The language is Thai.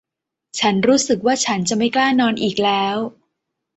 ฉันรู้สึกว่าฉันจะไม่กล้านอนอีกแล้ว !